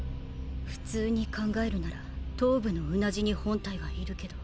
普通に考えるなら頭部のうなじに本体はいるけど。